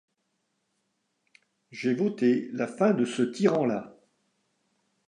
J’ai voté la fin de ce tyran-là.